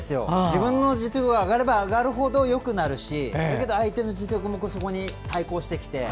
自分の実力が上がれば上がるほどよくなるし、だけど相手の実力もそこに対抗してきて。